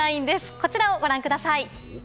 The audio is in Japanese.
こちらをご覧ください。